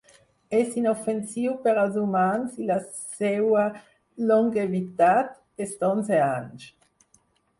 És inofensiu per als humans i la seua longevitat és d'onze anys.